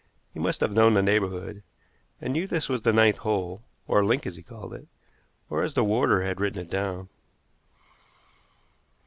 He must have known the neighborhood, and knew this was the ninth hole, or link as he called it, or as the warder had written it down.